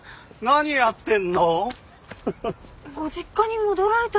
何やってんの？